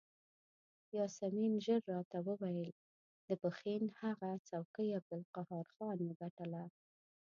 یاسمین ژر راته وویل د پښین هغه څوکۍ عبدالقهار خان وګټله.